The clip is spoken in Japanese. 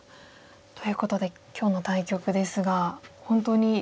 ということで今日の対局ですが本当に。